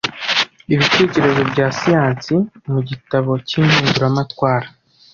ibitekerezo bya siyansi Mu gitabo cy’impinduramatwara